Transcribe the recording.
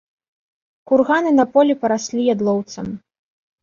Курганы на полі параслі ядлоўцам.